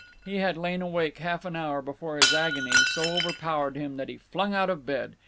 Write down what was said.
He had lain awake half an hour before his agony so overpowered him that he flung out of bed.